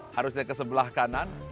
harusnya ke sebelah kanan